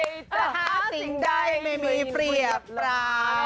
จะหาสิ่งใดไม่มีเปรียบร้าน